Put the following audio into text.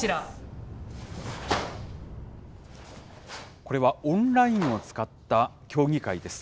これはオンラインを使った競技会です。